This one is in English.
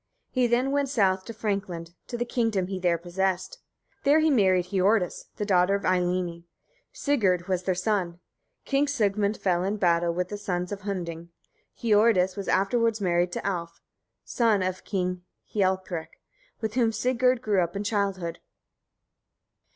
He then went south to Frankland, to the kingdom he there possessed. There he married Hiordis, the daughter of Eylimi. Sigurd was their son. King Sigmund fell in a battle with the sons of Hunding. Hiordis was afterwards married to Alf, son of King Hialprek, with whom Sigurd grew up in childhood.